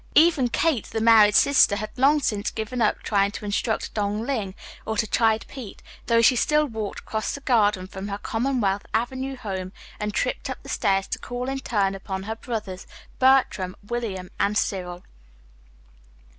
Even Kate, the married sister, had long since given up trying to instruct Dong Ling or to chide Pete, though she still walked across the Garden from her Commonwealth Avenue home and tripped up the stairs to call in turn upon her brothers, Bertram, William, and Cyril.